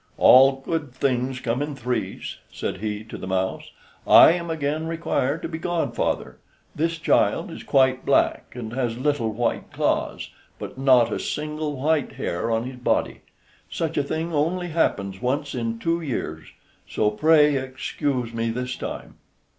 "All good things come in threes," said he to the mouse. "I am again required to be godfather; this child is quite black, and has little white claws, but not a single white hair on his body; such a thing only happens once in two years, so pray excuse me this time."